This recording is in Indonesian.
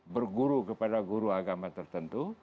berguru kepada guru agama tertentu